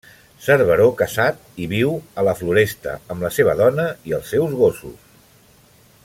Cerveró casat i viu a la Floresta amb la seva dona i els seus gossos.